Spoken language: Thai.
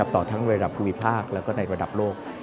ต่อทั้งระดับภูมิภาคแล้วก็ในระดับโลก